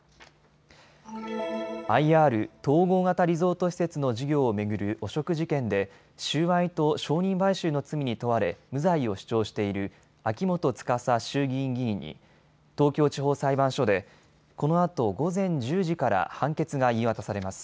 ＩＲ・統合型リゾート施設の事業を巡る汚職事件で収賄と証人買収の罪に問われ無罪を主張している秋元司衆議院議員に東京地方裁判所でこのあと午前１０時から判決が言い渡されます。